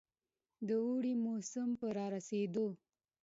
د اوړي موسم په رارسېدو.